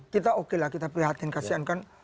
kita okelah kita prihatin kasihan kan